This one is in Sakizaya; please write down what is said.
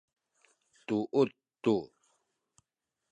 duut tu